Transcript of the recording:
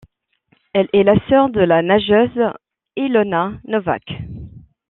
Elle est la sœur de la nageuse Ilona Novák.